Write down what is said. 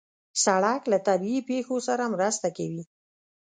سړک له طبیعي پېښو سره مرسته کوي.